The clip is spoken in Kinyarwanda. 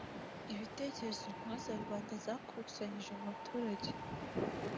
Ibitekerezo intumwa za rubanda zakusanyije mu baturage